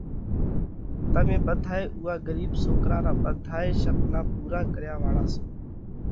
تمي ٻڌائي اُوئا ڳرِيٻ سوڪرا را ٻڌائي شپنا پُورا ڪريا واۯا سو۔